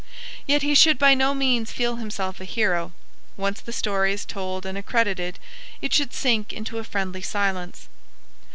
Yet he should by no means feel himself a hero. Once the story is told and accredited, it should sink into a friendly silence.